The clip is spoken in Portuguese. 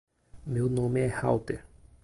Meu nome é Heather.